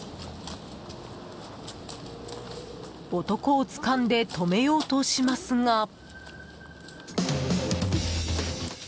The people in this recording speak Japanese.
男をつかんで止めようとしますが。